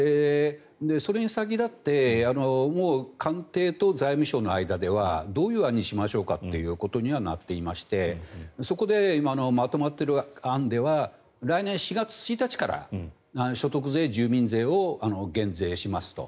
それに先立って官邸と財務省の間ではどういう案にしましょうかということにはなっていましてそこでまとまっている案では来年４月１日から所得税、住民税を減税しますと。